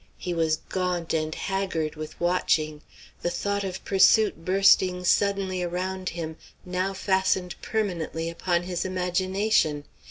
He was gaunt and haggard with watching. The thought of pursuit bursting suddenly around him now fastened permanently upon his imagination.